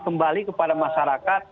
kembali kepada masyarakat